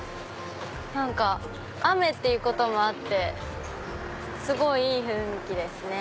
何か雨っていうこともあってすごいいい雰囲気ですね。